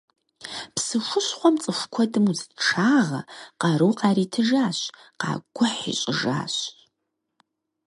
Псы хущхъуэм цӀыху куэдым узыншагъэ, къару къаритыжащ, къакӀухь ищӀыжащ.